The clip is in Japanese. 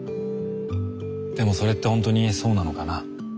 でもそれってほんとにそうなのかな？